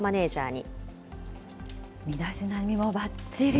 身だしなみもばっちり。